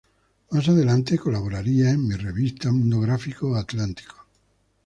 Más adelante colaboraría en "Mi Revista", "Mundo Gráfico" o "Atlántico".